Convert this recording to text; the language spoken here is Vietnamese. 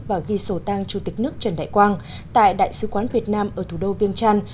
và ghi sổ tang chủ tịch nước trần đại quang tại đại sứ quán việt nam ở thủ đô viêng trăn